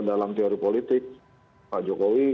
dalam teori politik pak jokowi